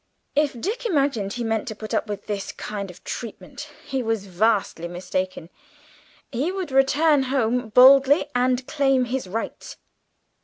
If Dick imagined he meant to put up tamely with this kind of treatment, he was vastly mistaken; he would return home boldly and claim his rights!